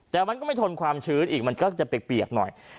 แต่มันก็ไม่ทนความชื้นอีกมันก็จะเปียกหน่อย